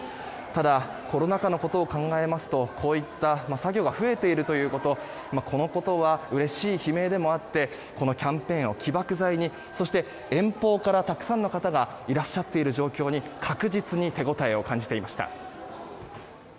ただ、コロナ禍のことを考えますとこういった作業が増えているということこのことはうれしい悲鳴でもあってこのキャンペーンを起爆剤にそして、遠方からたくさんの方がいらっしゃっている状況に確実に手応えを感じていました。